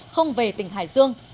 không về tỉnh hải dương